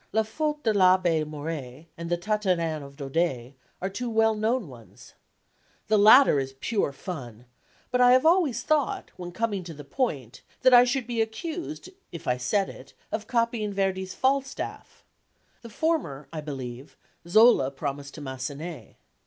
"La Faute de l'Abbé Mouret and the Tartarin of Daudet are two well known ones. The latter is pure fun, but I have always thought, when coming to the point, that I should be accused, if I set it, of copying Verdi's Falstaff. The former, I believe, Zola promised to Massenet.